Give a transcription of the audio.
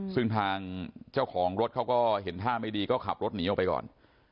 ซึ่งทางเจ้าของรถเขาก็เห็นท่าไม่ดีก็ขับรถหนีออกไปก่อน